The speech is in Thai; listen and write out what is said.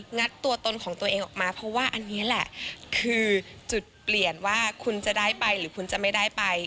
ัดตัวตนของตัวเองออกมาเพราะว่าอันนี้แหละคือจุดเปลี่ยนว่าคุณจะได้ไปหรือคุณจะไม่ได้ไป